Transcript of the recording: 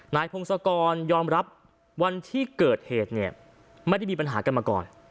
พงศกรยอมรับวันที่เกิดเหตุเนี่ยไม่ได้มีปัญหากันมาก่อน